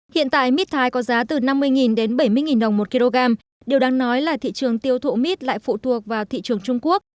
hiện tại mít thái có giá từ năm mươi đến bảy mươi đồng một kg điều đáng nói là thị trường tiêu thụ mít lại phụ thuộc vào thị trường trung quốc